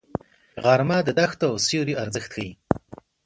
غرمه د دښتو او سیوریو ارزښت ښيي